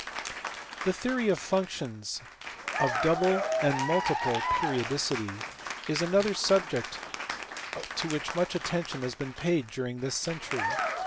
ABEL. 463 The theory of functions of double and multiple periodicity is another subject to which much attention has been paid during this century.